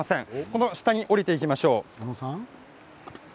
この下に下りていきましょう。